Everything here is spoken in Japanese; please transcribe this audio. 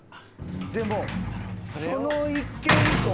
でもその一件以降。